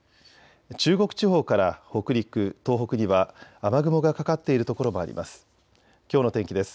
中国地方から北陸、東北には雨雲がかかっている所もあります。